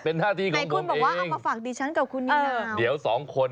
เป็นหน้าที่ของผมเองแต่คุณบอกว่าเอากว่าฝากดิฉันกับคุณนี่เหรอ